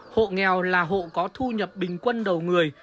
hộ nghèo là hộ có thu nhập bình quân đầu người